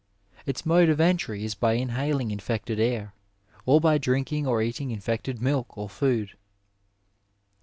Its mode of entry is by inhaling infected air, or by drinking or eating infected milk or food.